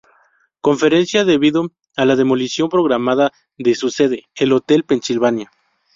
Conferencia debido a la demolición programada de su sede, el Hotel Pennsylvania.